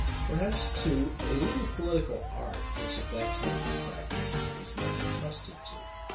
Perhaps, too, a little political art, which at that time he practised, was much trusted to.